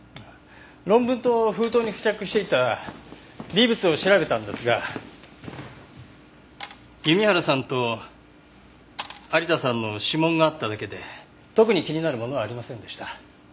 論文と封筒に付着していた微物を調べたんですが弓原さんと有田さんの指紋があっただけで特に気になるものはありませんでした。